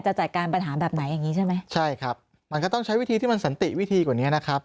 จัดการปัญหาแบบไหนอย่างงี้ใช่ไหมใช่ครับมันก็ต้องใช้วิธีที่มันสันติวิธีกว่านี้นะครับ